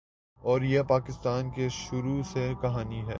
اور یہ پاکستان کی شروع سے کہانی ہے۔